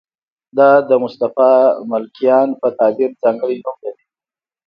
دا د مصطفی ملکیان په تعبیر ځانګړی نوم لري.